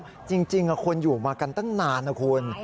ไม่หรอกจริงคุณอยู่มากันตั้งนานนะคุณ